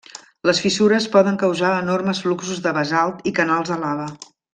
Les fissures poden causar enormes fluxos de basalt i canals de lava.